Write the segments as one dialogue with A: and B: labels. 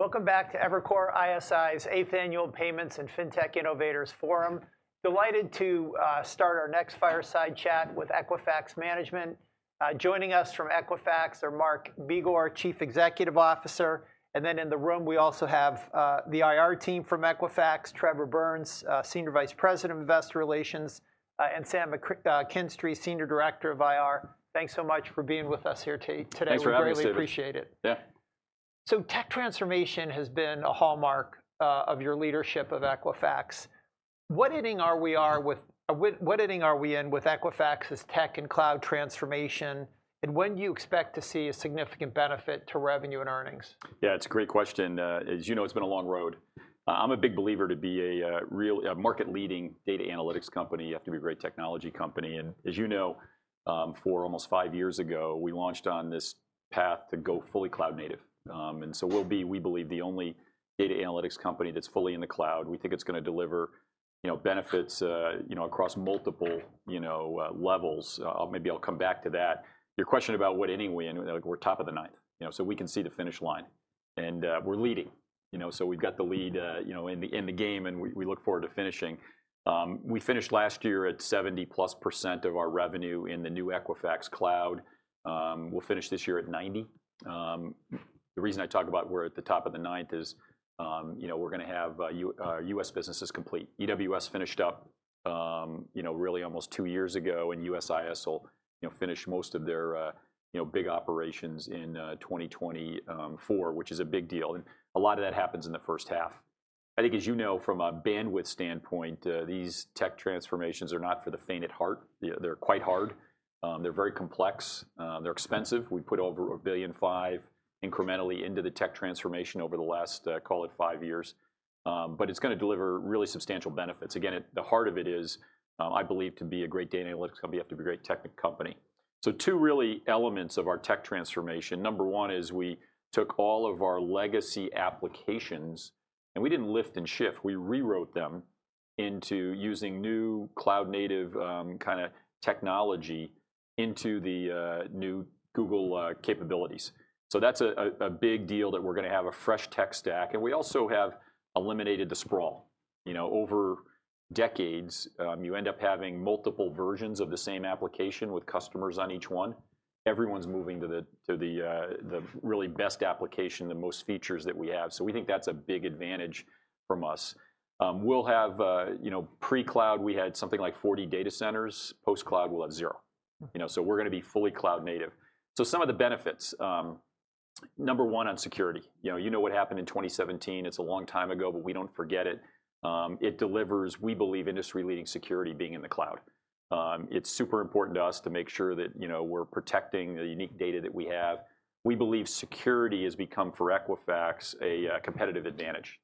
A: Welcome back to Evercore ISI's Eighth Annual Payments and FinTech Innovators Forum. Delighted to start our next fireside chat with Equifax management. Joining us from Equifax are Mark Begor, Chief Executive Officer. And then in the room we also have the IR team from Equifax, Trevor Burns, Senior Vice President of Investor Relations, and Sam McKinstry, Senior Director of IR. Thanks so much for being with us here today.
B: Thanks, Rodolfo.
A: We really appreciate it.
B: Yeah.
A: So tech transformation has been a hallmark of your leadership of Equifax. What inning are we in with Equifax's tech and cloud transformation, and when do you expect to see a significant benefit to revenue and earnings?
B: Yeah, it's a great question. As you know, it's been a long road. I'm a big believer to be a market-leading data analytics company. You have to be a great technology company. And as you know, almost five years ago, we launched on this path to go fully cloud-native. And so we'll be, we believe, the only data analytics company that's fully in the cloud. We think it's going to deliver benefits across multiple levels. Maybe I'll come back to that. Your question about what inning we're in, we're top of the ninth, so we can see the finish line. And we're leading. So we've got the lead in the game, and we look forward to finishing. We finished last year at 70%+ of our revenue in the new Equifax Cloud. We'll finish this year at 90%. The reason I talk about we're at the top of the ninth is we're going to have U.S. businesses complete. EWS finished up really almost two years ago, and USIS will finish most of their big operations in 2024, which is a big deal. A lot of that happens in the first half. I think, as you know, from a bandwidth standpoint, these tech transformations are not for the faint at heart. They're quite hard. They're very complex. They're expensive. We put over $1.5 billion incrementally into the tech transformation over the last, call it, five years. But it's going to deliver really substantial benefits. Again, the heart of it is, I believe, to be a great data analytics company. You have to be a great tech company. So two really elements of our tech transformation. Number 1 is we took all of our legacy applications, and we didn't lift and shift. We rewrote them into using new cloud-native kind of technology into the new Google capabilities. So that's a big deal that we're going to have a fresh tech stack. And we also have eliminated the sprawl. Over decades, you end up having multiple versions of the same application with customers on each one. Everyone's moving to the really best application, the most features that we have. So we think that's a big advantage from us. We'll have pre-cloud, we had something like 40 data centers. Post-cloud, we'll have zero. So we're going to be fully cloud-native. So some of the benefits. Number 1 on security. You know what happened in 2017. It's a long time ago, but we don't forget it. It delivers, we believe, industry-leading security being in the cloud. It's super important to us to make sure that we're protecting the unique data that we have. We believe security has become, for Equifax, a competitive advantage.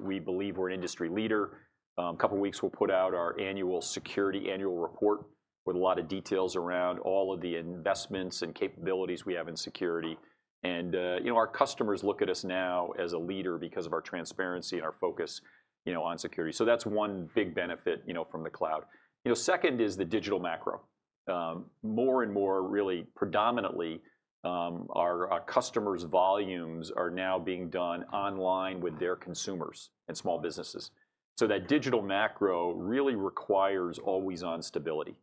B: We believe we're an industry leader. In a couple of weeks, we'll put out our annual security report with a lot of details around all of the investments and capabilities we have in security. Our customers look at us now as a leader because of our transparency and our focus on security. So that's one big benefit from the cloud. Second is the digital macro. More and more, really predominantly, our customers' volumes are now being done online with their consumers and small businesses. So that digital macro really requires always-on stability.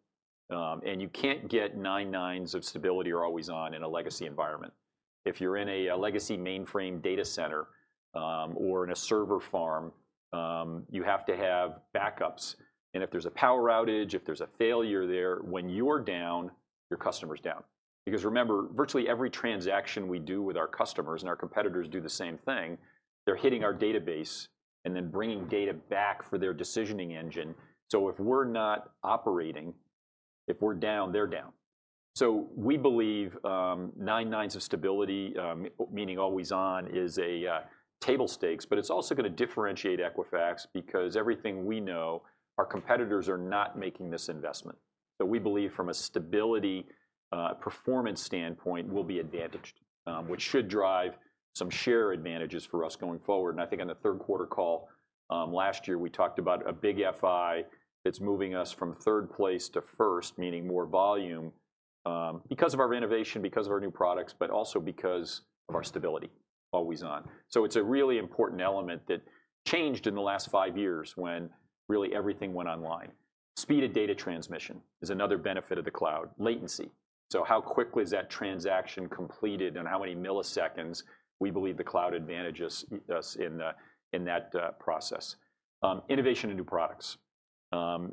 B: And you can't get nine-nines of stability or always-on in a legacy environment. If you're in a legacy mainframe data center or in a server farm, you have to have backups. And if there's a power outage, if there's a failure there, when you're down, your customer's down. Because remember, virtually every transaction we do with our customers and our competitors do the same thing. They're hitting our database and then bringing data back for their decisioning engine. So if we're not operating, if we're down, they're down. So we believe nine nines of stability, meaning always-on, is a table stakes. But it's also going to differentiate Equifax because everything we know, our competitors are not making this investment. So we believe, from a stability performance standpoint, we'll be advantaged, which should drive some share advantages for us going forward. I think on the third-quarter call last year, we talked about a big FI that's moving us from third place to first, meaning more volume because of our innovation, because of our new products, but also because of our stability, always-on. So it's a really important element that changed in the last five years when really everything went online. Speed of data transmission is another benefit of the cloud. Latency. So how quickly is that transaction completed, and how many milliseconds? We believe the cloud advantages us in that process. Innovation and new products.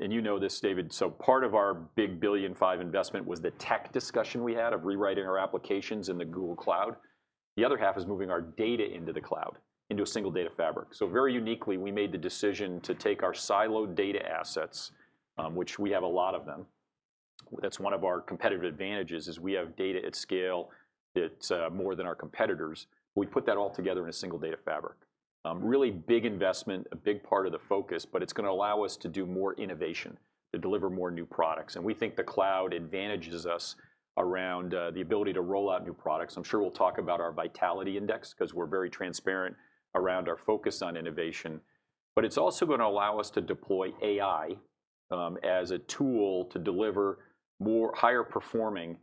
B: And you know this, David. So part of our $1.5 billion investment was the tech discussion we had of rewriting our applications in the Google Cloud. The other half is moving our data into the cloud, into a single data fabric. So very uniquely, we made the decision to take our siloed data assets, which we have a lot of them. That's one of our competitive advantages, is we have data at scale that's more than our competitors. We put that all together in a single data fabric. Really big investment, a big part of the focus. But it's going to allow us to do more innovation, to deliver more new products. And we think the cloud advantages us around the ability to roll out new products. I'm sure we'll talk about our Vitality Index because we're very transparent around our focus on innovation. But it's also going to allow us to deploy AI as a tool to deliver higher performing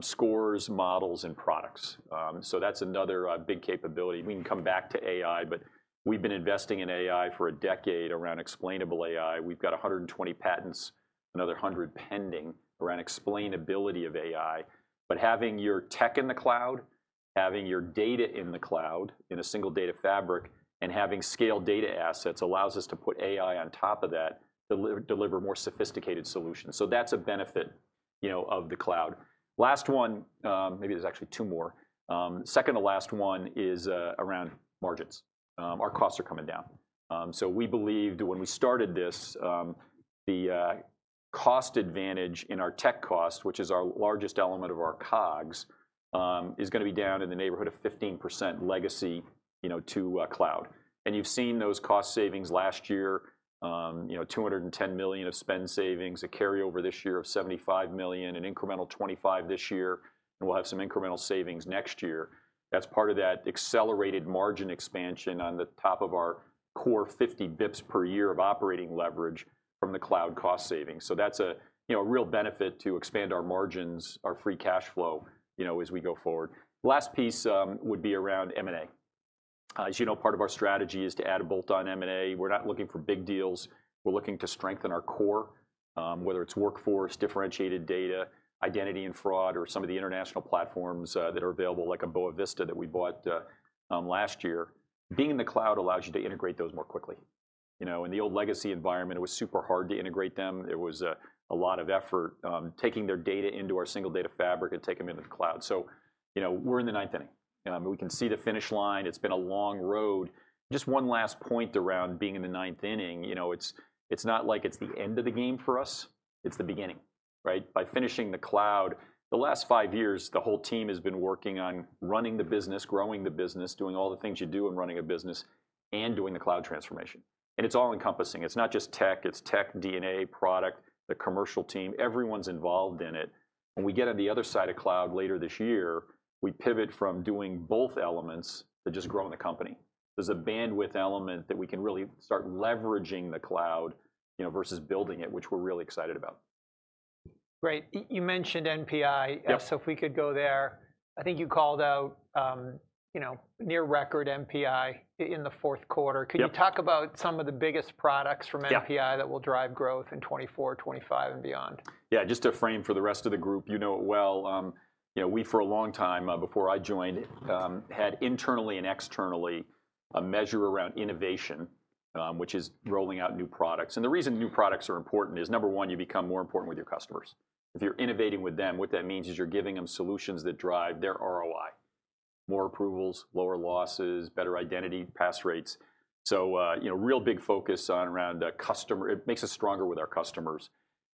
B: scores, models, and products. So that's another big capability. We can come back to AI. But we've been investing in AI for a decade around explainable AI. We've got 120 patents, another 100 pending, around explainability of AI. But having your tech in the cloud, having your data in the cloud in a single data fabric, and having scale data assets allows us to put AI on top of that to deliver more sophisticated solutions. So that's a benefit of the cloud. Last one maybe there's actually two more. Second to last one is around margins. Our costs are coming down. So we believed, when we started this, the cost advantage in our tech costs, which is our largest element of our COGS, is going to be down in the neighborhood of 15% legacy to cloud. And you've seen those cost savings last year, $210 million of spend savings, a carryover this year of $75 million, an incremental $25 million this year. And we'll have some incremental savings next year. That's part of that accelerated margin expansion on the top of our core $50 basis points per year of operating leverage from the cloud cost savings. So that's a real benefit to expand our margins, our free cash flow, as we go forward. Last piece would be around M&A. As you know, part of our strategy is to add a bolt on M&A. We're not looking for big deals. We're looking to strengthen our core, whether it's workforce, differentiated data, identity and fraud, or some of the international platforms that are available, like a Boa Vista that we bought last year. Being in the cloud allows you to integrate those more quickly. In the old legacy environment, it was super hard to integrate them. It was a lot of effort taking their data into our single data fabric and taking them into the cloud. So we're in the ninth inning. We can see the finish line. It's been a long road. Just one last point around being in the ninth inning. It's not like it's the end of the game for us. It's the beginning. By finishing the cloud, the last five years, the whole team has been working on running the business, growing the business, doing all the things you do in running a business, and doing the cloud transformation. It's all-encompassing. It's not just tech. It's tech, DNA, product, the commercial team. Everyone's involved in it. When we get on the other side of cloud later this year, we pivot from doing both elements to just growing the company. There's a bandwidth element that we can really start leveraging the cloud versus building it, which we're really excited about.
A: Great. You mentioned NPI. So if we could go there, I think you called out near-record NPI in the fourth quarter. Could you talk about some of the biggest products from NPI that will drive growth in 2024, 2025, and beyond?
B: Yeah, just to frame for the rest of the group, you know it well. We, for a long time, before I joined, had internally and externally a measure around innovation, which is rolling out new products. The reason new products are important is, number one, you become more important with your customers. If you're innovating with them, what that means is you're giving them solutions that drive their ROI: more approvals, lower losses, better identity pass rates. So real big focus around customer. It makes us stronger with our customers.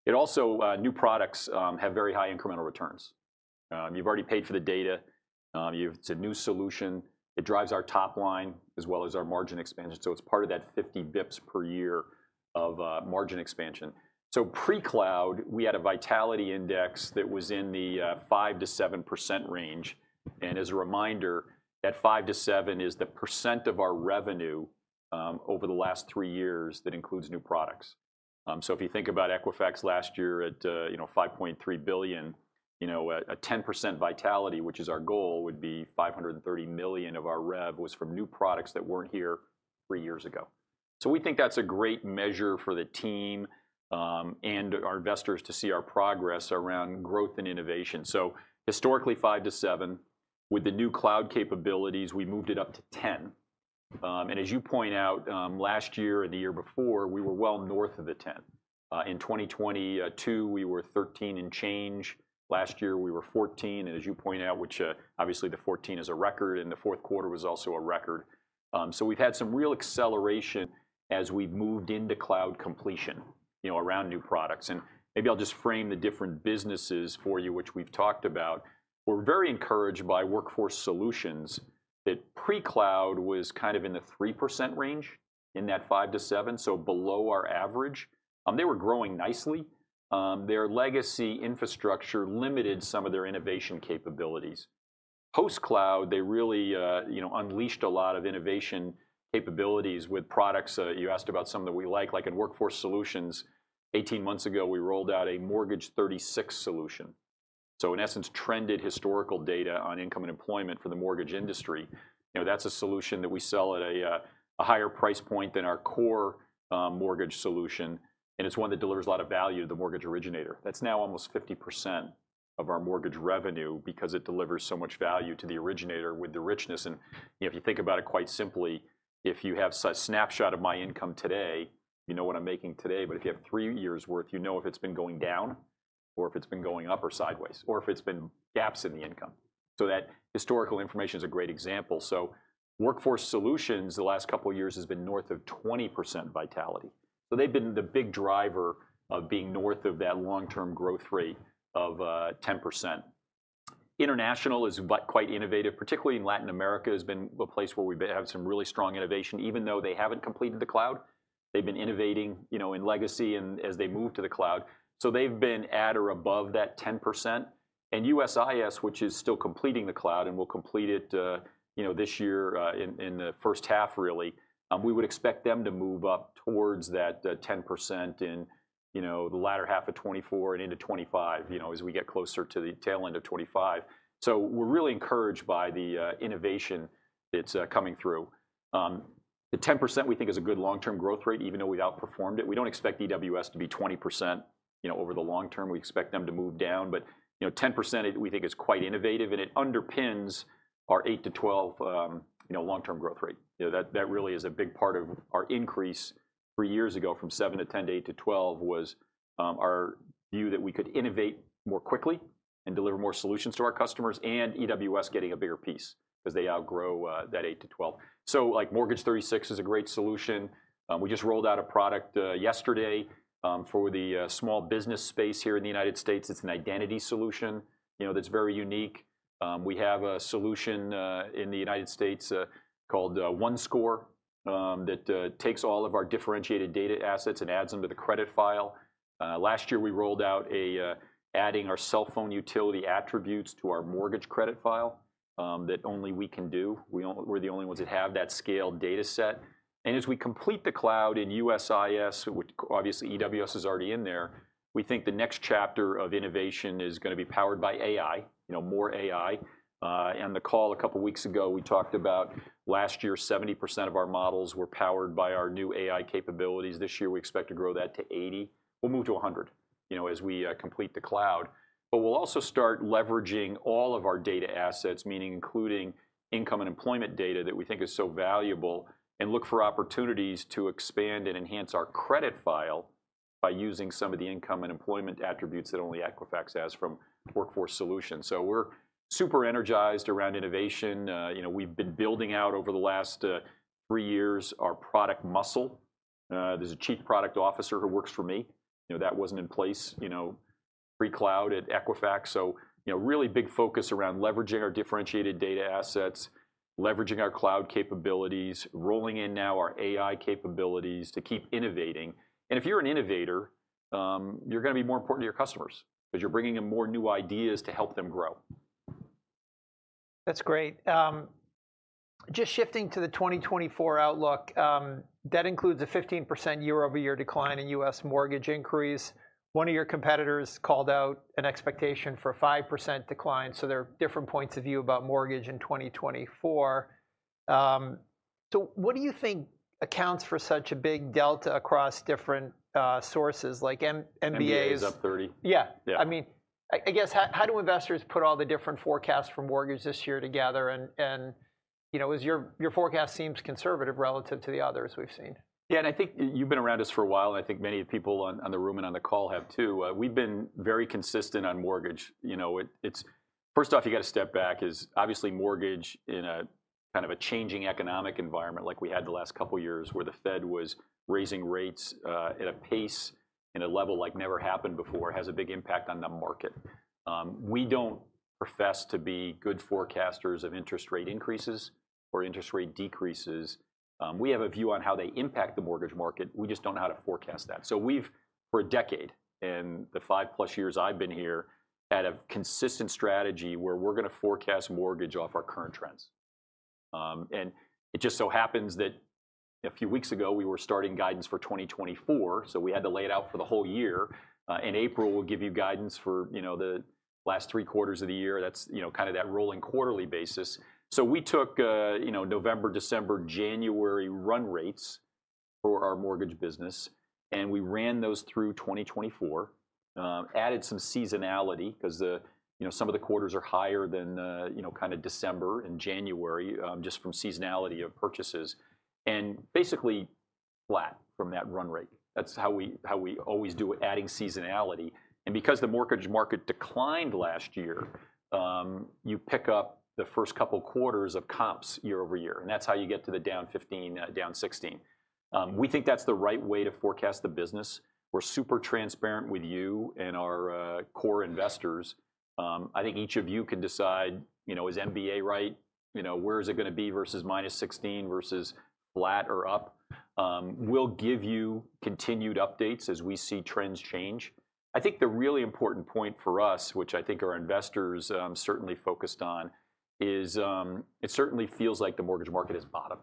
B: Also, new products have very high incremental returns. You've already paid for the data. It's a new solution. It drives our top line, as well as our margin expansion. So it's part of that $50 basis points per year of margin expansion. So pre-cloud, we had a Vitality Index that was in the 5%-7% range. As a reminder, that 5%-7% is the percent of our revenue over the last three years that includes new products. If you think about Equifax last year at $5.3 billion, a 10% vitality, which is our goal, would be $530 million of our revenue was from new products that weren't here three years ago. We think that's a great measure for the team and our investors to see our progress around growth and innovation. Historically, 5%-7%. With the new cloud capabilities, we moved it up to 10%. As you point out, last year and the year before, we were well north of the 10%. In 2022, we were 13% and change. Last year, we were 14%. As you point out, which obviously, the 14% is a record. The fourth quarter was also a record. So we've had some real acceleration as we've moved into cloud completion around new products. And maybe I'll just frame the different businesses for you, which we've talked about. We're very encouraged by Workforce Solutions that pre-cloud was kind of in the 3% range in that 5%-7%, so below our average. They were growing nicely. Their legacy infrastructure limited some of their innovation capabilities. Post-cloud, they really unleashed a lot of innovation capabilities with products. You asked about some that we like. Like in Workforce Solutions, 18 months ago, we rolled out a Mortgage 36 solution. So in essence, trended historical data on income and employment for the mortgage industry. That's a solution that we sell at a higher price point than our core mortgage solution. And it's one that delivers a lot of value to the mortgage originator. That's now almost 50% of our mortgage revenue because it delivers so much value to the originator with the richness. And if you think about it quite simply, if you have a snapshot of my income today, you know what I'm making today. But if you have three years' worth, you know if it's been going down or if it's been going up or sideways or if it's been gaps in the income. So that historical information is a great example. So Workforce Solutions, the last couple of years, has been north of 20% vitality. So they've been the big driver of being north of that long-term growth rate of 10%. International is quite innovative, particularly in Latin America. It's been a place where we have some really strong innovation. Even though they haven't completed the cloud, they've been innovating in legacy as they move to the cloud. So they've been at or above that 10%. And USIS, which is still completing the cloud and will complete it this year in the first half, really, we would expect them to move up towards that 10% in the latter half of 2024 and into 2025 as we get closer to the tail end of 2025. So we're really encouraged by the innovation that's coming through. The 10%, we think, is a good long-term growth rate, even though we've outperformed it. We don't expect EWS to be 20% over the long term. We expect them to move down. But 10%, we think, is quite innovative. And it underpins our 8%-12% long-term growth rate. That really is a big part of our increase three years ago, from 7%-10%, 8%-12%, was our view that we could innovate more quickly and deliver more solutions to our customers and EWS getting a bigger piece because they outgrow that 8%-12%. So Mortgage 36 is a great solution. We just rolled out a product yesterday for the small business space here in the United States. It's an identity solution that's very unique. We have a solution in the United States called OneScore that takes all of our differentiated data assets and adds them to the credit file. Last year, we rolled out adding our cell phone utility attributes to our mortgage credit file that only we can do. We're the only ones that have that scale data set. As we complete the cloud in USIS, which obviously, EWS is already in there, we think the next chapter of innovation is going to be powered by AI, more AI. On the call a couple of weeks ago, we talked about last year, 70% of our models were powered by our new AI capabilities. This year, we expect to grow that to 80%. We'll move to 100% as we complete the cloud. We'll also start leveraging all of our data assets, meaning including income and employment data that we think is so valuable, and look for opportunities to expand and enhance our credit file by using some of the income and employment attributes that only Equifax has from workforce solutions. We're super energized around innovation. We've been building out, over the last three years, our product muscle. There's a chief product officer who works for me. That wasn't in place pre-cloud at Equifax. So really big focus around leveraging our differentiated data assets, leveraging our cloud capabilities, rolling in now our AI capabilities to keep innovating. And if you're an innovator, you're going to be more important to your customers because you're bringing in more new ideas to help them grow.
A: That's great. Just shifting to the 2024 outlook, that includes a 15% year-over-year decline in U.S. mortgage increase. One of your competitors called out an expectation for a 5% decline. So there are different points of view about mortgage in 2024. So what do you think accounts for such a big delta across different sources, like MBA's?
B: MBAs up 30%.
A: Yeah. I mean, I guess, how do investors put all the different forecasts for mortgages this year together? And your forecast seems conservative relative to the others we've seen.
B: Yeah, I think you've been around us for a while. I think many of the people in the room and on the call have too. We've been very consistent on mortgage. First off, you've got to step back. Obviously, mortgage in kind of a changing economic environment like we had the last couple of years, where the Fed was raising rates at a pace and a level like never happened before, has a big impact on the market. We don't profess to be good forecasters of interest rate increases or interest rate decreases. We have a view on how they impact the mortgage market. We just don't know how to forecast that. We've, for a decade, in the 5+ years I've been here, had a consistent strategy where we're going to forecast mortgage off our current trends. It just so happens that a few weeks ago, we were starting guidance for 2024. We had to lay it out for the whole year. In April, we'll give you guidance for the last three quarters of the year. That's kind of that rolling quarterly basis. We took November, December, January run rates for our mortgage business. We ran those through 2024, added some seasonality because some of the quarters are higher than kind of December and January, just from seasonality of purchases, and basically flat from that run rate. That's how we always do it, adding seasonality. Because the mortgage market declined last year, you pick up the first couple of quarters of comps year-over-year. That's how you get to the down 15%, down 16%. We think that's the right way to forecast the business. We're super transparent with you and our core investors. I think each of you can decide, is MBA right? Where is it going to be versus -16% versus flat or up? We'll give you continued updates as we see trends change. I think the really important point for us, which I think our investors certainly focused on, is it certainly feels like the mortgage market has bottomed.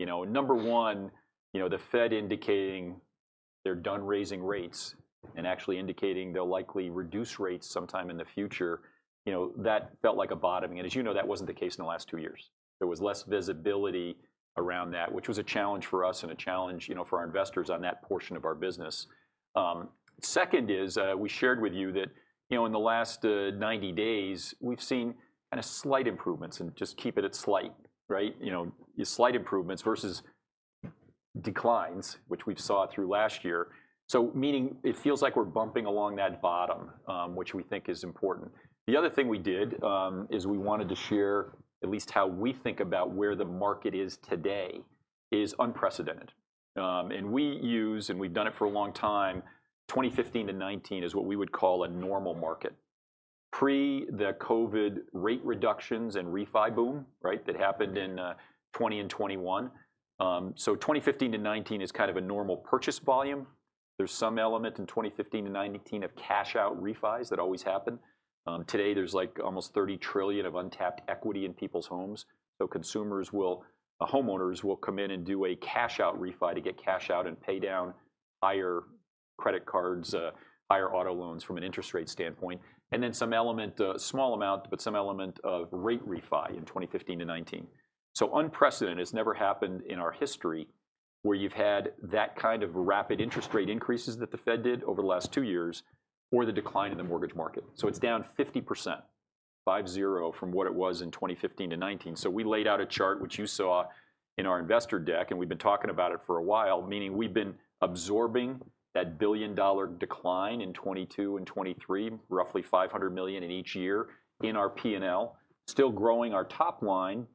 B: Number one, the Fed indicating they're done raising rates and actually indicating they'll likely reduce rates sometime in the future, that felt like a bottom. And as you know, that wasn't the case in the last two years. There was less visibility around that, which was a challenge for us and a challenge for our investors on that portion of our business. Second is, we shared with you that in the last 90 days, we've seen kind of slight improvements and just keep it at slight, right? Slight improvements versus declines, which we saw through last year. So meaning it feels like we're bumping along that bottom, which we think is important. The other thing we did is we wanted to share at least how we think about where the market is today is unprecedented. And we use, and we've done it for a long time, 2015-2019 is what we would call a normal market pre the COVID rate reductions and refi boom that happened in 2020 and 2021. So 2015-2019 is kind of a normal purchase volume. There's some element in 2015-2019 of cash-out refis that always happen. Today, there's almost $30 trillion of untapped equity in people's homes. So homeowners will come in and do a cash-out refi to get cash out and pay down higher credit cards, higher auto loans from an interest rate standpoint. And then some element, small amount, but some element of rate refi in 2015-2019. So unprecedented. It's never happened in our history where you've had that kind of rapid interest rate increases that the Fed did over the last two years or the decline in the mortgage market. So it's down 50%, five to zero, from what it was in 2015-2019. So we laid out a chart, which you saw in our investor deck. And we've been talking about it for a while, meaning we've been absorbing that billion-dollar decline in 2022 and 2023, roughly $500 million in each year in our P&L, still growing our top line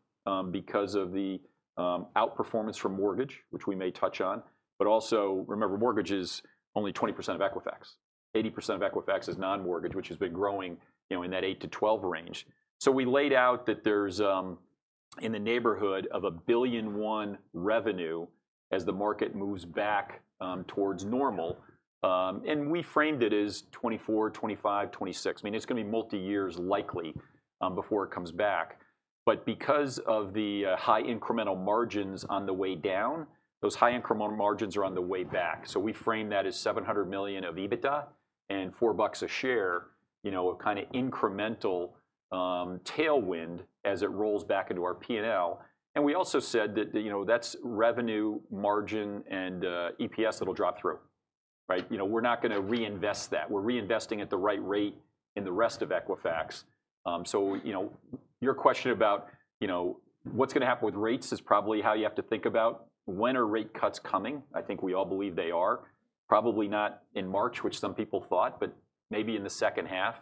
B: because of the outperformance from mortgage, which we may touch on. But also, remember, mortgage is only 20% of Equifax. 80% of Equifax is non-mortgage, which has been growing in that 8%-12% range. So we laid out that there's in the neighborhood of $1.01 billion revenue as the market moves back towards normal. And we framed it as 2024, 2025, 2026. I mean, it's going to be multi-years likely before it comes back. But because of the high incremental margins on the way down, those high incremental margins are on the way back. So we framed that as $700 million of EBITDA and $4 a share of kind of incremental tailwind as it rolls back into our P&L. And we also said that that's revenue, margin, and EPS that'll drop through, right? We're not going to reinvest that. We're reinvesting at the right rate in the rest of Equifax. So, your question about what's going to happen with rates is probably how you have to think about when rate cuts are coming. I think we all believe they are, probably not in March, which some people thought, but maybe in the second half.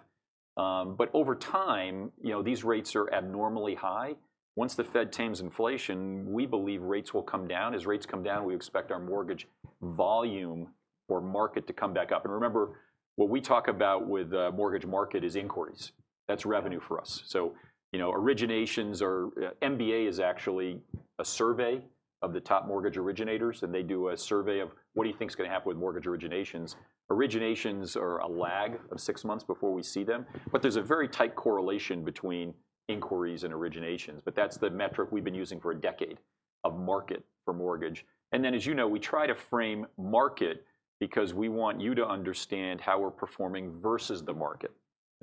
B: But over time, these rates are abnormally high. Once the Fed tames inflation, we believe rates will come down. As rates come down, we expect our mortgage volume or market to come back up. And remember, what we talk about with the mortgage market is inquiries. That's revenue for us. So, originations are. MBA is actually a survey of the top mortgage originators. And they do a survey of what do you think is going to happen with mortgage originations? Originations are a lag of six months before we see them. But there's a very tight correlation between inquiries and originations. That's the metric we've been using for a decade of market for mortgage. As you know, we try to frame market because we want you to understand how we're performing versus the market.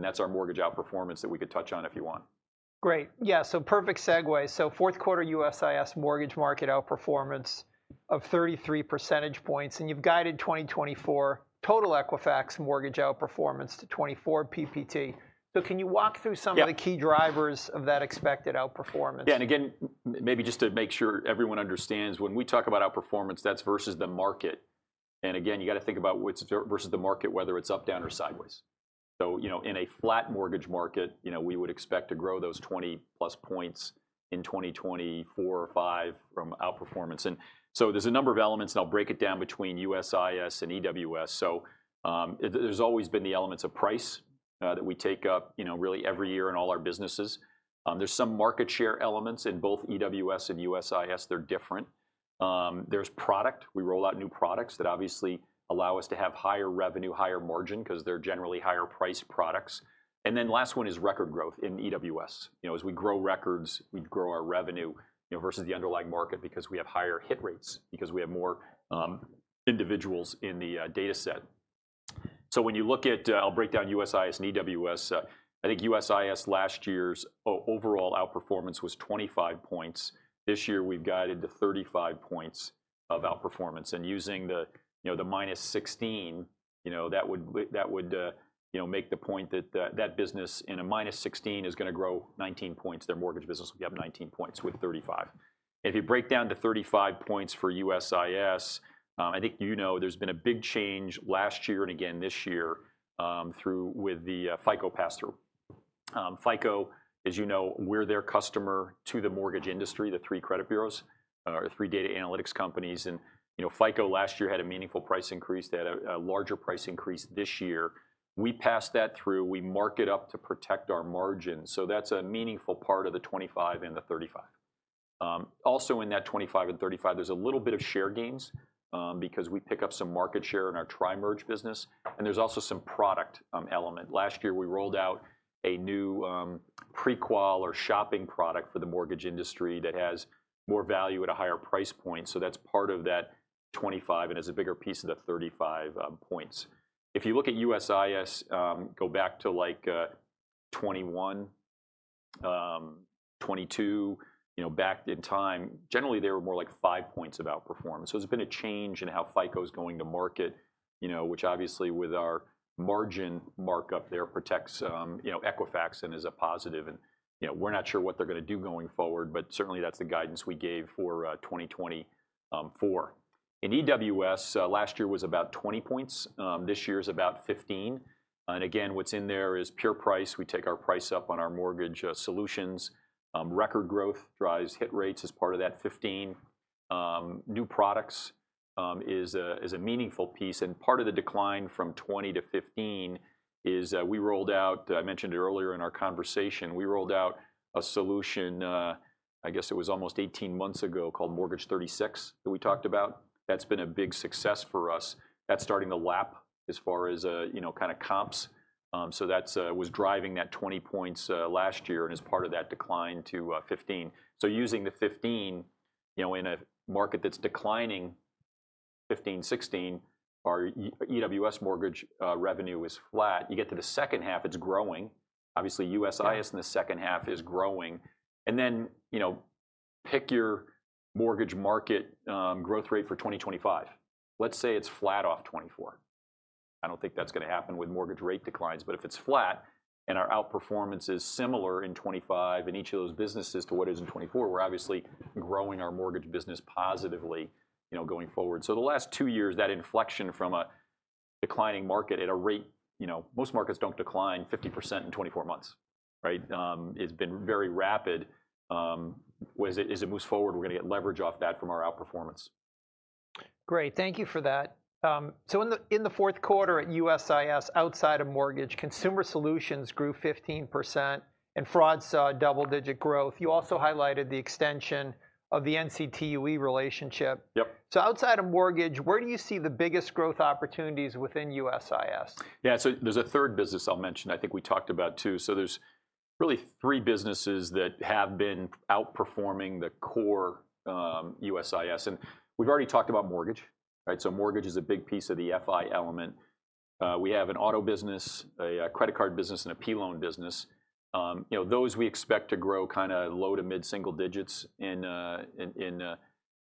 B: That's our mortgage outperformance that we could touch on if you want.
A: Great. Yeah, so perfect segue. So fourth quarter USIS mortgage market outperformance of 33 percentage points. And you've guided 2024 total Equifax mortgage outperformance to 24 PPT. So can you walk through some of the key drivers of that expected outperformance?
B: Yeah. And again, maybe just to make sure everyone understands, when we talk about outperformance, that's versus the market. And again, you've got to think about versus the market, whether it's up, down, or sideways. So in a flat mortgage market, we would expect to grow those 20+ points in 2024 or 2025 from outperformance. And so there's a number of elements. And I'll break it down between USIS and EWS. So there's always been the elements of price that we take up really every year in all our businesses. There's some market share elements in both EWS and USIS. They're different. There's product. We roll out new products that obviously allow us to have higher revenue, higher margin because they're generally higher-priced products. And then last one is record growth in EWS. As we grow records, we grow our revenue versus the underlying market because we have higher hit rates, because we have more individuals in the data set. So when you look at, I'll break down USIS and EWS. I think USIS last year's overall outperformance was 25 points. This year, we've guided to 35 points of outperformance. And using the -16, that would make the point that that business in a -16 is going to grow 19 points. Their mortgage business will be up 19 points with 35. And if you break down to 35 points for USIS, I think you know there's been a big change last year and again this year with the FICO pass-through. FICO, as you know, we're their customer to the mortgage industry, the three credit bureaus or three data analytics companies. And FICO last year had a meaningful price increase. They had a larger price increase this year. We pass that through. We mark it up to protect our margins. So that's a meaningful part of the 25% and the 35%. Also, in that 25% and 35%, there's a little bit of share gains because we pick up some market share in our Tri-merge business. There's also some product element. Last year, we rolled out a new pre-qual or shopping product for the mortgage industry that has more value at a higher price point. So that's part of that 25% and is a bigger piece of the 35 points. If you look at USIS, go back to 2021, 2022, back in time, generally, they were more like five points of outperformance. So there's been a change in how FICO is going to market, which obviously, with our margin markup there, protects Equifax and is a positive. We're not sure what they're going to do going forward. But certainly, that's the guidance we gave for 2024. In EWS, last year was about 20 points. This year is about 15%. And again, what's in there is pure price. We take our price up on our mortgage solutions. Record growth drives hit rates as part of that, 15%. New products is a meaningful piece. And part of the decline from 20%-15% is we rolled out. I mentioned it earlier in our conversation. We rolled out a solution, I guess it was almost 18 months ago, called Mortgage 36 that we talked about. That's been a big success for us. That's starting to lap as far as kind of comps. So that was driving that 20 points last year and is part of that decline to 15%. So using the 15% in a market that's declining, 15%, 16%, our EWS mortgage revenue is flat. You get to the second half, it's growing. Obviously, USIS in the second half is growing. And then pick your mortgage market growth rate for 2025. Let's say it's flat off 2024. I don't think that's going to happen with mortgage rate declines. But if it's flat and our outperformance is similar in 2025 in each of those businesses to what is in 2024, we're obviously growing our mortgage business positively going forward. So the last two years, that inflection from a declining market at a rate most markets don't decline 50% in 24 months, right? It's been very rapid. As it moves forward, we're going to get leverage off that from our outperformance.
A: Great. Thank you for that. So in the fourth quarter at USIS, outside of mortgage, consumer solutions grew 15%. And fraud saw double-digit growth. You also highlighted the extension of the NCTUE relationship. So outside of mortgage, where do you see the biggest growth opportunities within USIS? Yeah. So there's a third business I'll mention I think we talked about too. So there's really 3 businesses that have been outperforming the core USIS. And we've already talked about mortgage, right? So mortgage is a big piece of the FI element. We have an auto business, a credit card business, and a P-loan business. Those we expect to grow kind of low to mid-single digits in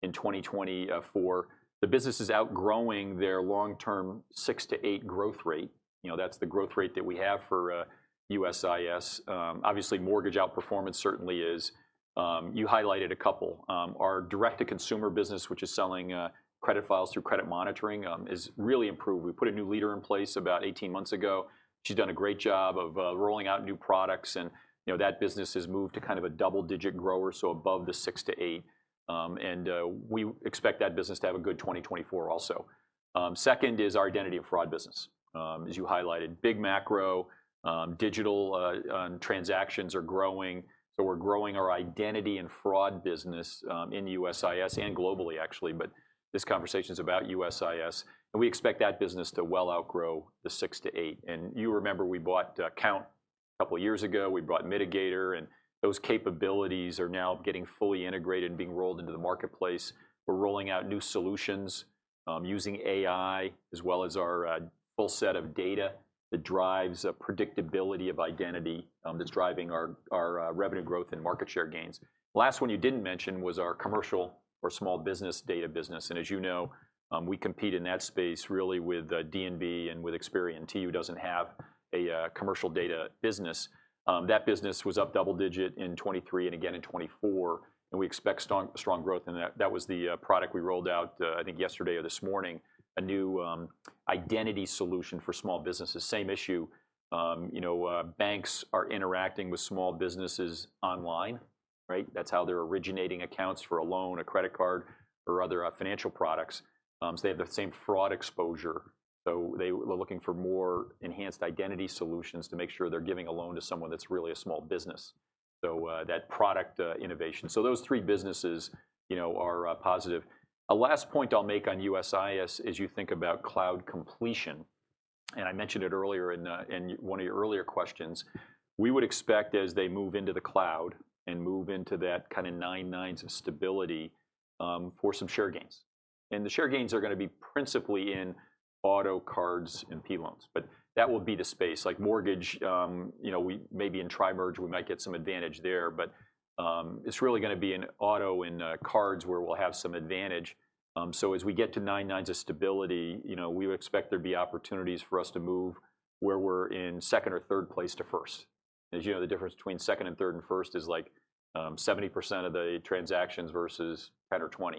A: 2024. The business is outgrowing their long-term 6%-8% growth rate. That's the growth rate that we have for USIS. Obviously, mortgage outperformance certainly is. You highlighted a couple. Our direct-to-consumer business, which is selling credit files through credit monitoring, is really improved. We put a new leader in place about 18 months ago. She's done a great job of rolling out new products. And that business has moved to kind of a double-digit grower, so above the 6%-8%. We expect that business to have a good 2024 also. Second is our identity and fraud business, as you highlighted. Big macro, digital transactions are growing. So we're growing our identity and fraud business in USIS and globally, actually. But this conversation is about USIS. We expect that business to well outgrow the 6%-8%. And you remember, we bought Kount a couple of years ago. We bought Midigator. And those capabilities are now getting fully integrated and being rolled into the marketplace. We're rolling out new solutions using AI as well as our full set of data that drives predictability of identity that's driving our revenue growth and market share gains. Last one you didn't mention was our commercial or small business data business. And as you know, we compete in that space really with D&B and with Experian. TU doesn't have a commercial data business. That business was up double-digit in 2023 and again in 2024. We expect strong growth. That was the product we rolled out, I think, yesterday or this morning, a new identity solution for small businesses. Same issue. Banks are interacting with small businesses online, right? That's how they're originating accounts for a loan, a credit card, or other financial products. So they have the same fraud exposure. So they're looking for more enhanced identity solutions to make sure they're giving a loan to someone that's really a small business, so that product innovation. So those three businesses are positive. A last point I'll make on USIS as you think about cloud completion. I mentioned it earlier in one of your earlier questions. We would expect, as they move into the cloud and move into that kind of nine nines of stability, for some share gains. And the share gains are going to be principally in auto, cards, and P-loans. But that will be the space. Like mortgage, maybe in Tri-merge, we might get some advantage there. But it's really going to be in auto and cards where we'll have some advantage. So as we get to nine nines of stability, we expect there to be opportunities for us to move where we're in second or third place to first. And as you know, the difference between second and third and first is like 70% of the transactions versus 10% or 20%.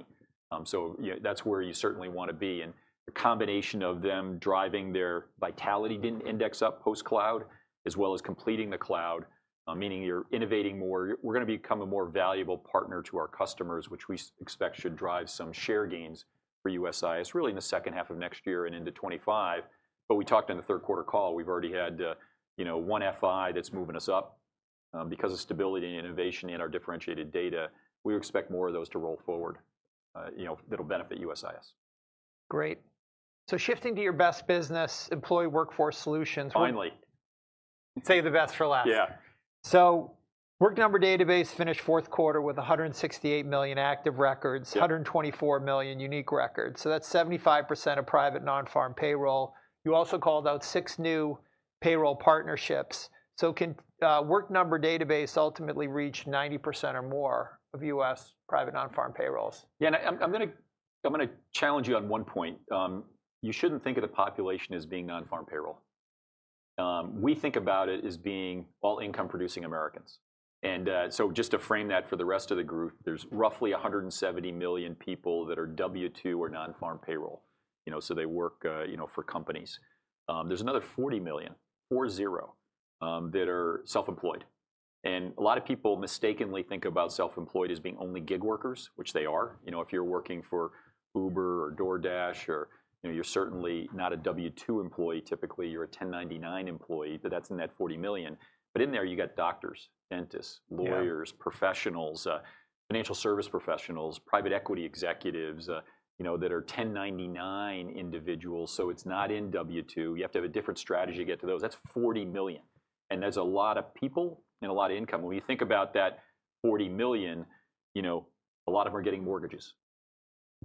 A: So that's where you certainly want to be. And the combination of them driving their Vitality Index up post-cloud as well as completing the cloud, meaning you're innovating more. We're going to become a more valuable partner to our customers, which we expect should drive some share gains for USIS really in the second half of next year and into 2025. But we talked on the third quarter call. We've already had one FI that's moving us up because of stability and innovation in our differentiated data. We expect more of those to roll forward that'll benefit USIS. Great. Shifting to your best business, Employer Workforce Solutions.
B: Finally.
A: Say the best for last.
B: Yeah.
A: Work Number Database finished fourth quarter with 168 million active records, 124 million unique records. That's 75% of private non-farm payroll. You also called out 6 new payroll partnerships. Can Work Number Database ultimately reach 90% or more of U.S. private non-farm payrolls?
B: Yeah. And I'm going to challenge you on one point. You shouldn't think of the population as being non-farm payroll. We think about it as being all-income-producing Americans. And so just to frame that for the rest of the group, there's roughly 170 million people that are W-2 or non-farm payroll. So they work for companies. There's another 40 million, 40, that are self-employed. And a lot of people mistakenly think about self-employed as being only gig workers, which they are. If you're working for Uber or DoorDash, or you're certainly not a W-2 employee typically. You're a 1099 employee. But that's in that 40 million. But in there, you've got doctors, dentists, lawyers, professionals, financial service professionals, private equity executives that are 1099 individuals. So it's not in W-2. You have to have a different strategy to get to those. That's 40 million. That's a lot of people and a lot of income. When we think about that 40 million, a lot of them are getting mortgages.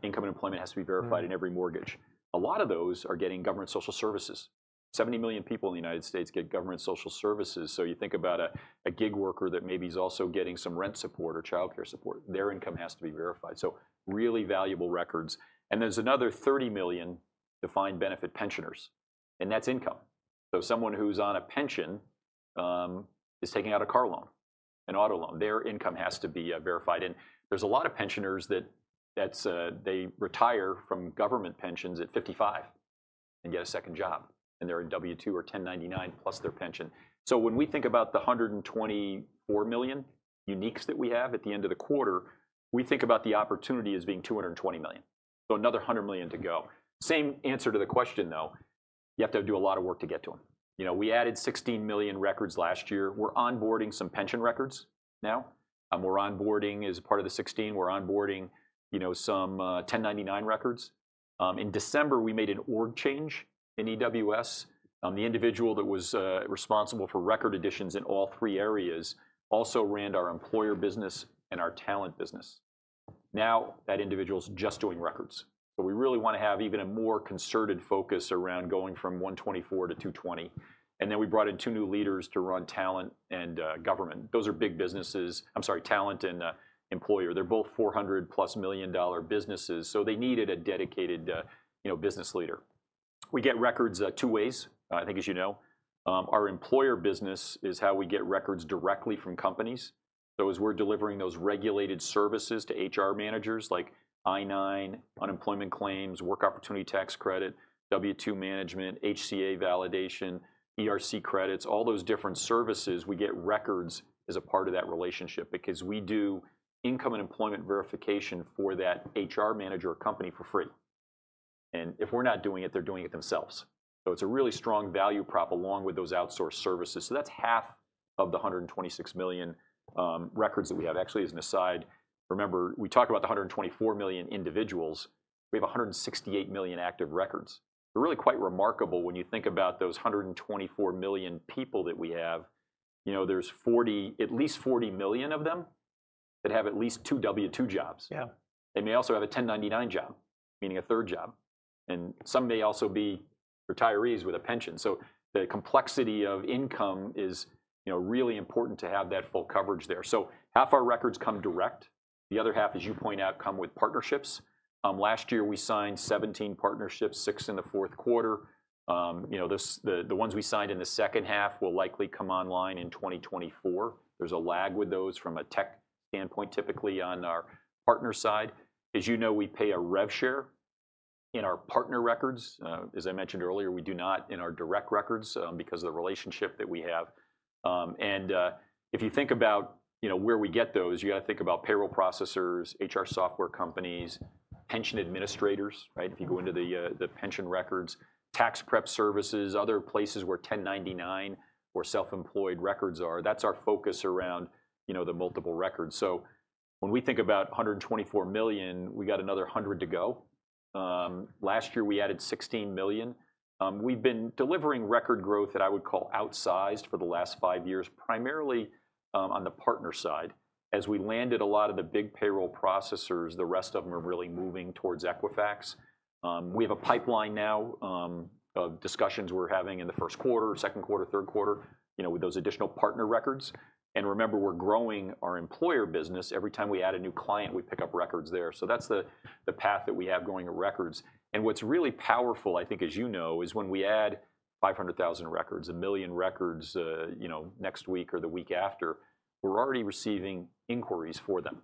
B: Income and employment has to be verified in every mortgage. A lot of those are getting government social services. 70 million people in the United States get government social services. So you think about a gig worker that maybe is also getting some rent support or child care support. Their income has to be verified. So really valuable records. There's another 30 million defined benefit pensioners. And that's income. So someone who's on a pension is taking out a car loan, an auto loan. Their income has to be verified. And there's a lot of pensioners that they retire from government pensions at 55 and get a second job. And they're in W-2 or 1099+ their pension. So when we think about the 124 million uniques that we have at the end of the quarter, we think about the opportunity as being 220 million, so another 100 million to go. Same answer to the question, though. You have to do a lot of work to get to them. We added 16 million records last year. We're onboarding some pension records now. We're onboarding as part of the 16. We're onboarding some 1099 records. In December, we made an org change in EWS. The individual that was responsible for record additions in all three areas also ran our employer business and our talent business. Now, that individual is just doing records. So we really want to have even a more concerted focus around going from 124 to 220. And then we brought in two new leaders to run talent and government. Those are big businesses, I'm sorry, talent and employer. They're both $400+ million businesses. So they needed a dedicated business leader. We get records two ways, I think, as you know. Our employer business is how we get records directly from companies. So as we're delivering those regulated services to HR managers like I-9, unemployment claims, Work Opportunity Tax Credit, W-2 management, ACA validation, ERC credits, all those different services, we get records as a part of that relationship because we do income and employment verification for that HR manager or company for free. And if we're not doing it, they're doing it themselves. So it's a really strong value prop along with those outsourced services. So that's half of the 126 million records that we have. Actually, as an aside, remember, we talked about the 124 million individuals. We have 168 million active records. They're really quite remarkable when you think about those 124 million people that we have. There's at least 40 million of them that have at least two W-2 jobs. They may also have a 1099 job, meaning a third job. Some may also be retirees with a pension. The complexity of income is really important to have that full coverage there. Half our records come direct. The other half, as you point out, come with partnerships. Last year, we signed 17 partnerships, six in the fourth quarter. The ones we signed in the second half will likely come online in 2024. There's a lag with those from a tech standpoint typically on our partner side. As you know, we pay a rev share in our partner records. As I mentioned earlier, we do not in our direct records because of the relationship that we have. If you think about where we get those, you've got to think about payroll processors, HR software companies, pension administrators, right? If you go into the pension records, tax prep services, other places where 1099 or self-employed records are, that's our focus around the multiple records. So when we think about 124 million, we've got another 100 to go. Last year, we added 16 million. We've been delivering record growth that I would call outsized for the last 5 years primarily on the partner side. As we landed a lot of the big payroll processors, the rest of them are really moving towards Equifax. We have a pipeline now of discussions we're having in the first quarter, second quarter, third quarter with those additional partner records. And remember, we're growing our employer business. Every time we add a new client, we pick up records there. That's the path that we have going at records. What's really powerful, I think, as you know, is when we add 500,000 records, 1,000,000 records next week or the week after, we're already receiving inquiries for them,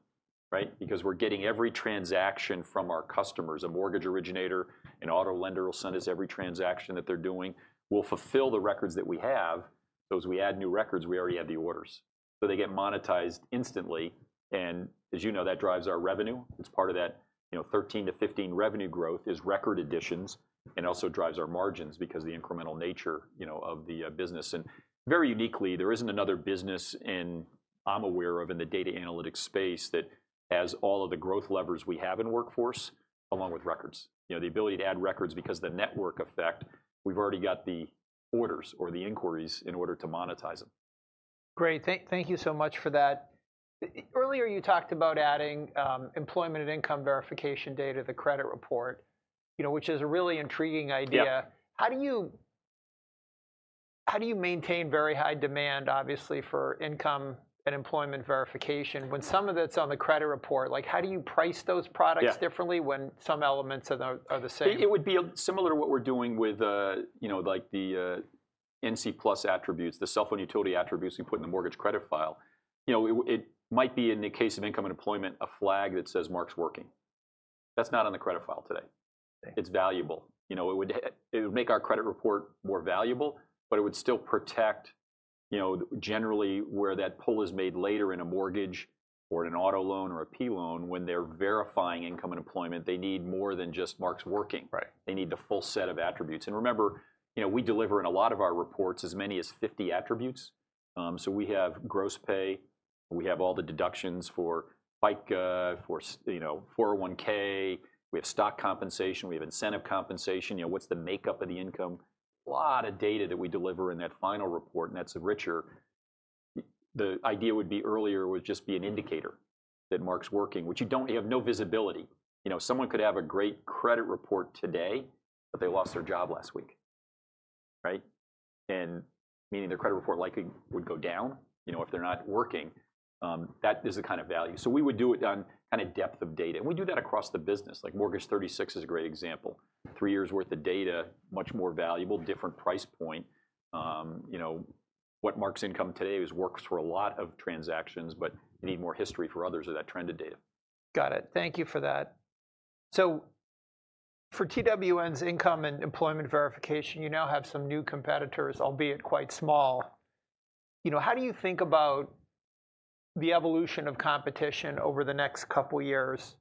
B: right? Because we're getting every transaction from our customers, a mortgage originator, an auto lender will send us every transaction that they're doing. We'll fulfill the records that we have. As we add new records, we already have the orders. They get monetized instantly. As you know, that drives our revenue. It's part of that 13%-15% revenue growth is record editions. It also drives our margins because of the incremental nature of the business. Very uniquely, there isn't another business, and I'm aware of in the data analytics space, that has all of the growth levers we have in workforce along with records, the ability to add records because of the network effect. We've already got the orders or the inquiries in order to monetize them.
A: Great. Thank you so much for that. Earlier, you talked about adding employment and income verification data to the credit report, which is a really intriguing idea. How do you maintain very high demand, obviously, for income and employment verification when some of it's on the credit report? How do you price those products differently when some elements are the same?
B: It would be similar to what we're doing with the NCTUE attributes, the cell phone utility attributes we put in the mortgage credit file. It might be, in the case of income and employment, a flag that says, "Mark's working." That's not on the credit file today. It's valuable. It would make our credit report more valuable. But it would still protect, generally, where that pull is made later in a mortgage or an auto loan or a P-loan when they're verifying income and employment, they need more than just "Mark's working." They need the full set of attributes. And remember, we deliver in a lot of our reports as many as 50 attributes. So we have gross pay. We have all the deductions for 401(k). We have stock compensation. We have incentive compensation. What's the makeup of the income? A lot of data that we deliver in that final report. That's where the richer idea would be. Earlier would just be an indicator that Mark's working, which you have no visibility. Someone could have a great credit report today, but they lost their job last week, right? Meaning their credit report likely would go down if they're not working. That is the kind of value. So we would do it on kind of depth of data. And we do that across the business. Like Mortgage 36 is a great example. 3 years' worth of data, much more valuable, different price point. What Mark's income today is works for a lot of transactions. But you need more history for others of that trended data.
A: Got it. Thank you for that. So for TWN's income and employment verification, you now have some new competitors, albeit quite small. How do you think about the evolution of competition over the next couple of years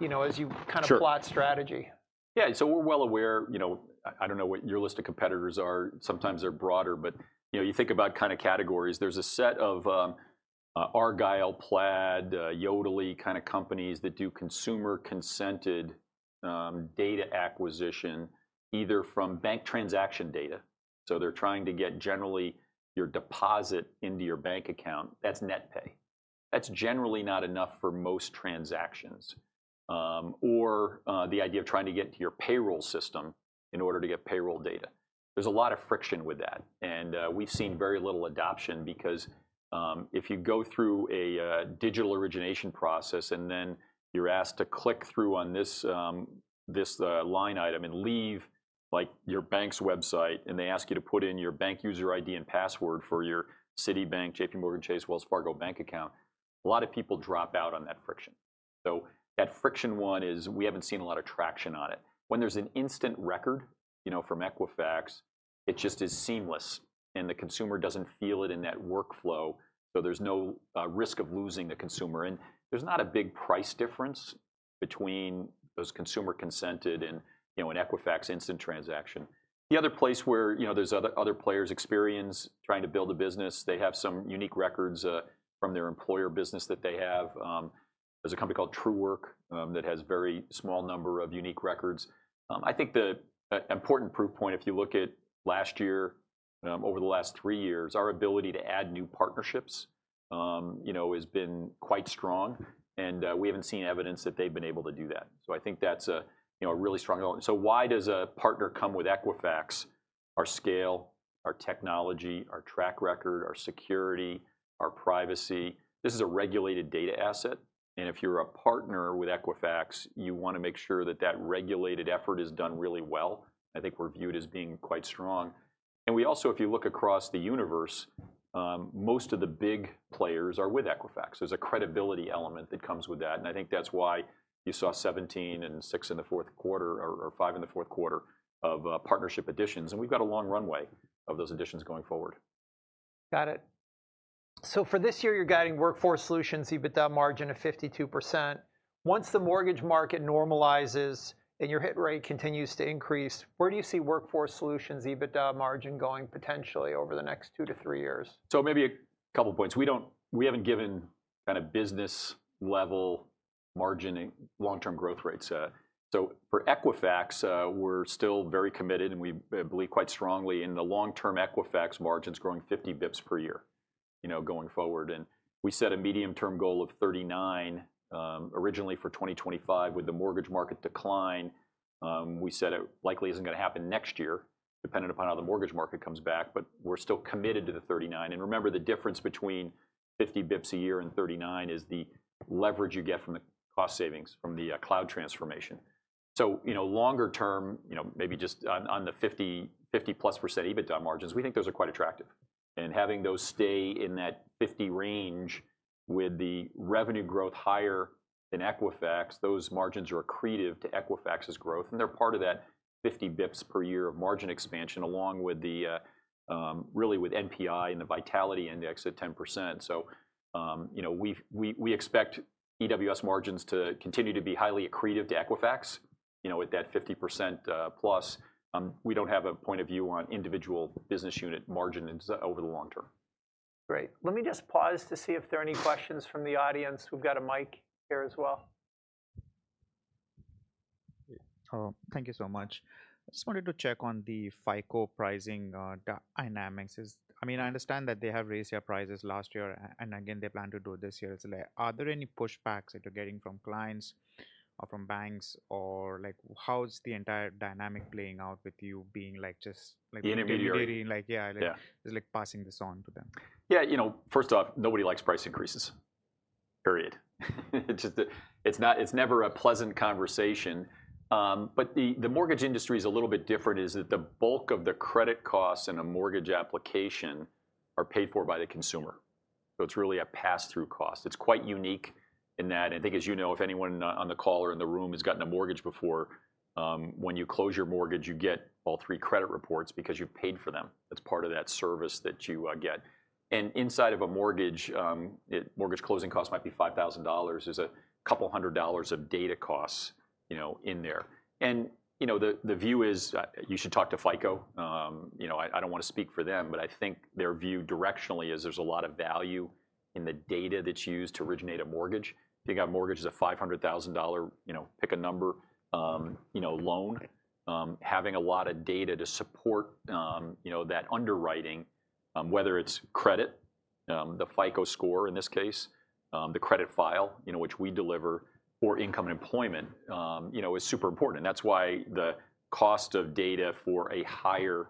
A: as you kind of plot strategy?
B: Yeah. So we're well aware. I don't know what your list of competitors are. Sometimes they're broader. But you think about kind of categories. There's a set of Argyle, Plaid, Yodlee kind of companies that do consumer-consented data acquisition either from bank transaction data. So they're trying to get generally your deposit into your bank account. That's net pay. That's generally not enough for most transactions or the idea of trying to get to your payroll system in order to get payroll data. There's a lot of friction with that. We've seen very little adoption because if you go through a digital origination process and then you're asked to click through on this line item and leave your bank's website, and they ask you to put in your bank user ID and password for your Citibank, JPMorgan Chase, Wells Fargo bank account, a lot of people drop out on that friction. So that friction. One is we haven't seen a lot of traction on it. When there's an instant record from Equifax, it just is seamless. And the consumer doesn't feel it in that workflow. So there's no risk of losing the consumer. And there's not a big price difference between those consumer-consented and an Equifax instant transaction. The other place where there's other players' experience trying to build a business, they have some unique records from their employer business that they have. There's a company called Truework that has a very small number of unique records. I think the important proof point, if you look at last year, over the last three years, our ability to add new partnerships has been quite strong. We haven't seen evidence that they've been able to do that. So I think that's a really strong so why does a partner come with Equifax, our scale, our technology, our track record, our security, our privacy? This is a regulated data asset. If you're a partner with Equifax, you want to make sure that that regulated effort is done really well. I think we're viewed as being quite strong. We also, if you look across the universe, most of the big players are with Equifax. There's a credibility element that comes with that. I think that's why you saw 17 and 6 in the fourth quarter or 5 in the fourth quarter of partnership additions. We've got a long runway of those additions going forward.
A: Got it. So for this year, you're guiding Workforce Solutions EBITDA margin of 52%. Once the mortgage market normalizes and your hit rate continues to increase, where do you see Workforce Solutions EBITDA margin going potentially over the next two to three years?
B: So maybe a couple of points. We haven't given kind of business-level margin long-term growth rates. So for Equifax, we're still very committed. And we believe quite strongly in the long-term Equifax margins growing 50 basis points per year going forward. And we set a medium-term goal of 39 originally for 2025. With the mortgage market decline, we said it likely isn't going to happen next year dependent upon how the mortgage market comes back. But we're still committed to the 39. And remember, the difference between 50 basis points a year and 39 is the leverage you get from the cost savings from the cloud transformation. So longer term, maybe just on the 50%+ EBITDA margins, we think those are quite attractive. And having those stay in that 50 range with the revenue growth higher than Equifax, those margins are accretive to Equifax's growth. And they're part of that 50 basis points per year of margin expansion along with NPI and the Vitality Index at 10%. So we expect EWS margins to continue to be highly accretive to Equifax at that 50%+. We don't have a point of view on individual business unit margin over the long term.
A: Great. Let me just pause to see if there are any questions from the audience. We've got a mic here as well.
C: Thank you so much. I just wanted to check on the FICO pricing dynamics. I mean, I understand that they have raised their prices last year. And again, they plan to do it this year. Are there any pushbacks that you're getting from clients or from banks? Or how's the entire dynamic playing out with you being just like the intermediary?
B: The intermediary.
C: Like, yeah, just like passing this on to them.
B: Yeah. First off, nobody likes price increases, period. It's never a pleasant conversation. But the mortgage industry is a little bit different, in that the bulk of the credit costs in a mortgage application are paid for by the consumer. So it's really a pass-through cost. It's quite unique in that. And I think, as you know, if anyone on the call or in the room has gotten a mortgage before, when you close your mortgage, you get all 3 credit reports because you've paid for them. That's part of that service that you get. And inside of a mortgage, mortgage closing costs might be $5,000. There's $200 of data costs in there. And the view is you should talk to FICO. I don't want to speak for them. But I think their view directionally is there's a lot of value in the data that's used to originate a mortgage. If you've got a mortgage that's a $500,000, pick a number, loan, having a lot of data to support that underwriting, whether it's credit, the FICO score in this case, the credit file which we deliver, or income and employment is super important. And that's why the cost of data for a higher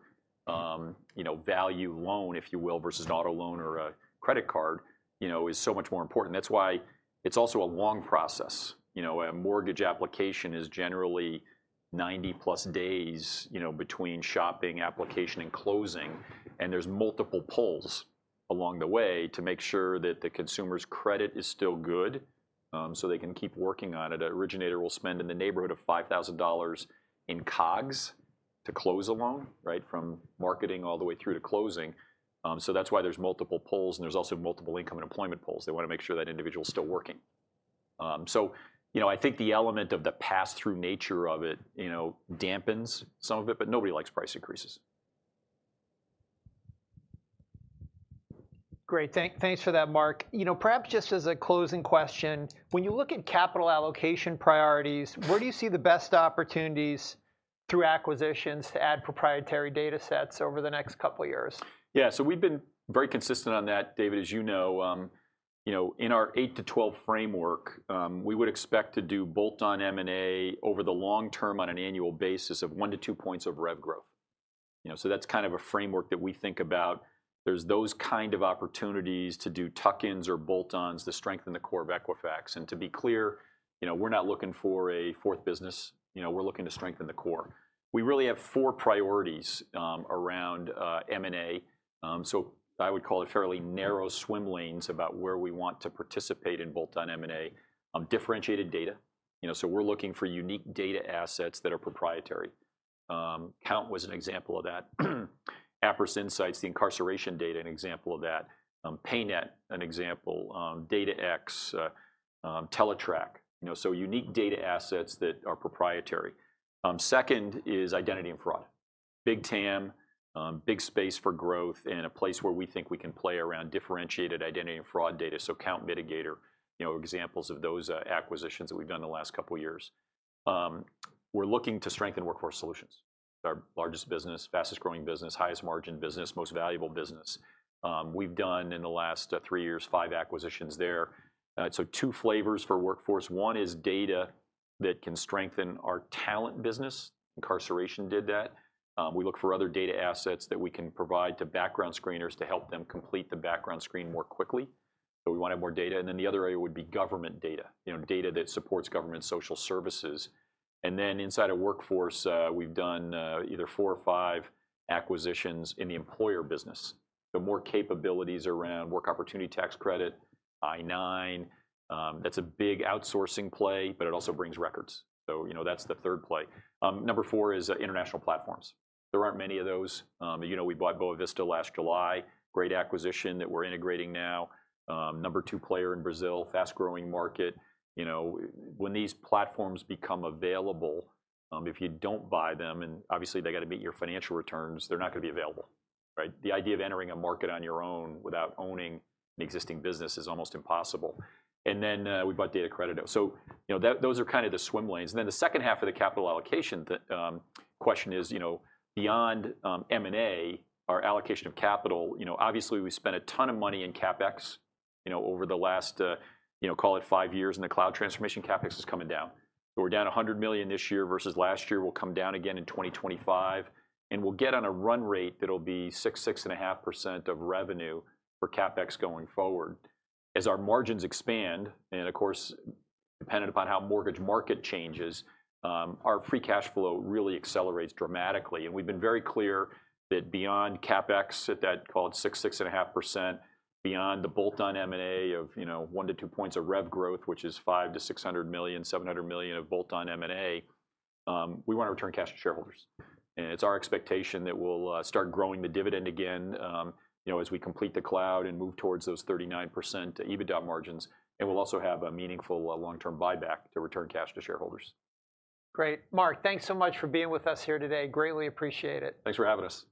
B: value loan, if you will, versus an auto loan or a credit card is so much more important. That's why it's also a long process. A mortgage application is generally 90+ days between shopping, application, and closing. And there's multiple pulls along the way to make sure that the consumer's credit is still good so they can keep working on it. An originator will spend in the neighborhood of $5,000 in COGS to close a loan, right, from marketing all the way through to closing. So that's why there's multiple pulls. And there's also multiple income and employment pulls. They want to make sure that individual's still working. So I think the element of the pass-through nature of it dampens some of it. But nobody likes price increases.
A: Great. Thanks for that, Mark. Perhaps just as a closing question, when you look at capital allocation priorities, where do you see the best opportunities through acquisitions to add proprietary data sets over the next couple of years?
B: Yeah. So we've been very consistent on that, David, as you know. In our eight to 12 framework, we would expect to do bolt-on M&A over the long term on an annual basis of one to two points of rev growth. So that's kind of a framework that we think about. There's those kind of opportunities to do tuck-ins or bolt-ons to strengthen the core of Equifax. And to be clear, we're not looking for a fourth business. We're looking to strengthen the core. We really have four priorities around M&A. So I would call it fairly narrow swim lanes about where we want to participate in bolt-on M&A: differentiated data. So we're looking for unique data assets that are proprietary. Kount was an example of that. Appris Insights, the incarceration data, an example of that. PayNet, an example. DataX, Teletrack. So unique data assets that are proprietary. Second is identity and fraud. Big TAM, big space for growth, and a place where we think we can play around differentiated identity and fraud data. So Kount, Midigator, examples of those acquisitions that we've done in the last couple of years. We're looking to strengthen workforce solutions. Our largest business, fastest-growing business, highest-margin business, most valuable business. We've done, in the last three years, five acquisitions there. So two flavors for workforce. One is data that can strengthen our talent business. Incarceration did that. We look for other data assets that we can provide to background screeners to help them complete the background screen more quickly. So we want to have more data. And then the other area would be government data, data that supports government social services. And then inside of workforce, we've done either four or five acquisitions in the employer business. So more capabilities around Work Opportunity Tax Credit, I-9. That's a big outsourcing play. But it also brings records. So that's the third play. Number four is international platforms. There aren't many of those. We bought Boa Vista last July, great acquisition that we're integrating now. Number two player in Brazil, fast-growing market. When these platforms become available, if you don't buy them and obviously, they've got to meet your financial returns, they're not going to be available, right? The idea of entering a market on your own without owning an existing business is almost impossible. And then we bought DataCredito. So those are kind of the swim lanes. And then the second half of the capital allocation question is, beyond M&A, our allocation of capital, obviously, we spent a ton of money in CapEx over the last, call it, five years in the cloud transformation. CapEx is coming down. We're down $100 million this year versus last year. We'll come down again in 2025. We'll get on a run rate that'll be 6%-6.5% of revenue for CapEx going forward. As our margins expand and, of course, dependent upon how mortgage market changes, our free cash flow really accelerates dramatically. We've been very clear that beyond CapEx at that, call it, 6%-6.5%, beyond the bolt-on M&A of one to one points of rev growth, which is $500 million-$600 million, $700 million of bolt-on M&A, we want to return cash to shareholders. It's our expectation that we'll start growing the dividend again as we complete the cloud and move towards those 39% EBITDA margins. We'll also have a meaningful long-term buyback to return cash to shareholders.
A: Great. Mark, thanks so much for being with us here today. Greatly appreciate it.
B: Thanks for having us.